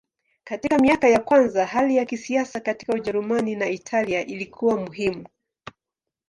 Katika miaka ya kwanza hali ya kisiasa katika Ujerumani na Italia ilikuwa muhimu.